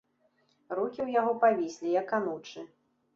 Рукі ў яго павіслі, як анучы.